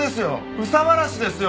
憂さ晴らしですよ。